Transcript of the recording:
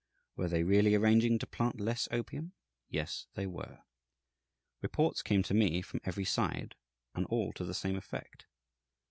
Were they really arranging to plant less opium? Yes, they were. Reports came to me from every side, and all to the same effect.